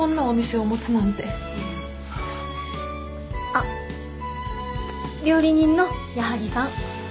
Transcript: あっ料理人の矢作さん。